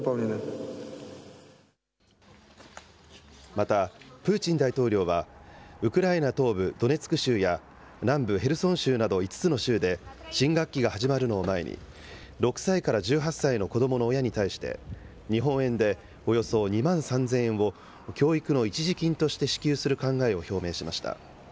また、プーチン大統領は、ウクライナ東部ドネツク州や南部ヘルソン州など５つの州で新学期が始まるのを前に、６歳から１８歳の子どもの親に対して、日本円でおよそ２万３０００円を、教育の一時金として支給する考えを表明しました。